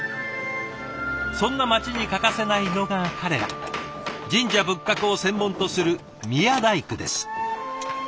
そんな街に欠かせないのが彼ら神社仏閣を専門とする宮大工です。